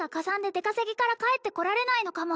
出稼ぎから帰ってこられないのかも